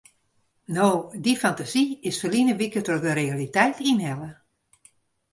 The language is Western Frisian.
No, dy fantasy is ferline wike troch de realiteit ynhelle.